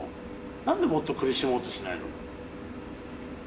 なんでもっと苦しもうとしないの？